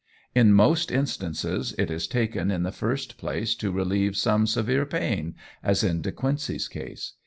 In most instances it is taken in the first place to relieve some severe pain, as in De Quincey's case.